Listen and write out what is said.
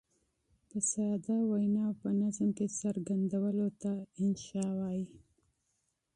په ساده وینا په نظم کې څرګندولو ته انشأ وايي.